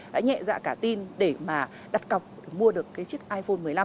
đã nhẹ dạng cả tin để đặt cọc mua được chiếc iphone một mươi năm